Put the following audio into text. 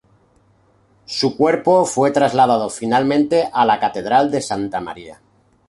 Su cuerpo fue trasladado finalmente a la catedral de Santa María.